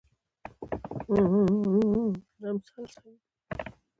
اسلام حقيقي دين دی